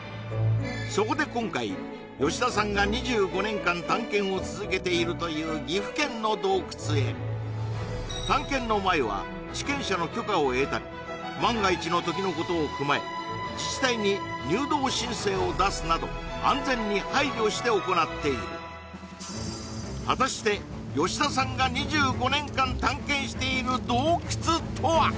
そこで今回吉田さんが２５年間探検を続けているという岐阜県の洞窟へ探検の前は地権者の許可を得たり万が一の時のことを踏まえ自治体に入洞申請を出すなど安全に配慮して行っている果たして吉田さんが２５年間探検している洞窟とは？